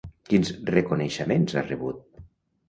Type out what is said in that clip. Quins reconeixements ha rebut?